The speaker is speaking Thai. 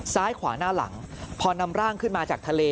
ซ้ายขวาหน้าหลังพอนำร่างขึ้นมาจากทะเล